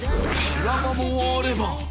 ［修羅場もあれば］